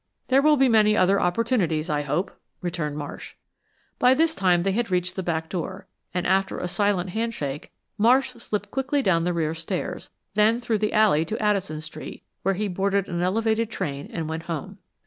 "There will be many other opportunities, I hope," returned Marsh. By this time they had reached the back door, and after a silent handshake, Marsh slipped quietly down the rear stairs, then through the alley to Addison Street, where he boarded an elevated train and went home.